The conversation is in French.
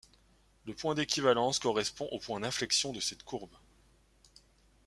Le point d'équivalence correspond au point d'inflexion de cette courbe.